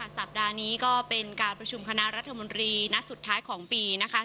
สัปดาห์นี้ก็เป็นการประชุมคณะรัฐมนตรีนัดสุดท้ายของปีนะคะ